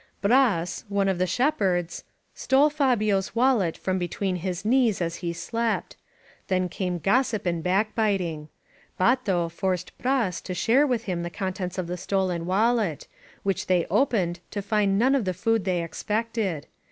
nraSy one of the shepherds, stole Fabians wallet from between his knees as he slept. Then came gossip and backbiting. Bato forced Bras to share with him the contents of the stolen wallet, which they opened, to find none of the food they expected.